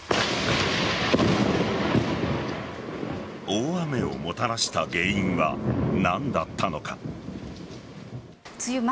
大雨をもたらした原因は何だったのか。